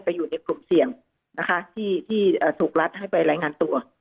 อยู่ในกลุ่มเสี่ยงนะคะที่ถูกรัฐให้ไปรายงานตัว